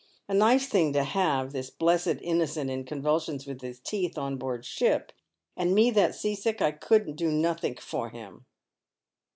A nice thing to have this blessed innocent in convulsions with his teeth on board ship, and me that seasick I couldn't do nothink for him."